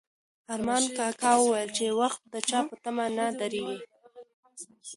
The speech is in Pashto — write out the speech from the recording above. ارمان کاکا وویل چې وخت د چا په تمه نه درېږي.